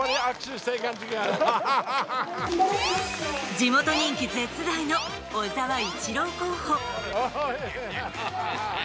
地元人気絶大の小沢一郎候補。